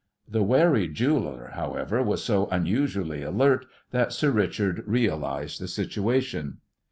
The wary jeweller, however, was so unusually alert that "Sir Richard" realized the situation.